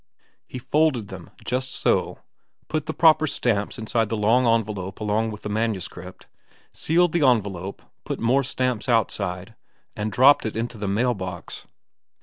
He folded them just so, put the proper stamps inside the long envelope along with the manuscript, sealed the envelope, put more stamps outside, and dropped it into the mail box.